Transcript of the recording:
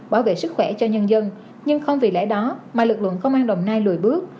bảo vệ sức khỏe cho nhân dân nhưng không vì lẽ đó mà lực lượng công an đồng nai lùi bước